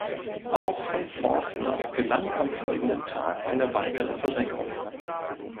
Auch von Forstner gelang am folgenden Tag eine weitere Versenkung.